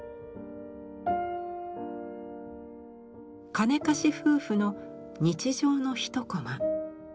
金貸し夫婦の日常のひとコマ。